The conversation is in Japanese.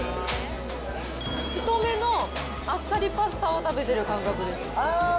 太めのあっさりパスタを食べてる感覚です。